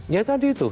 ya tadi itu